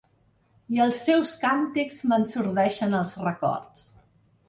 I els seus càntics m’ensordeixen els records.